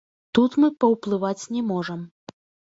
Тут мы паўплываць не можам.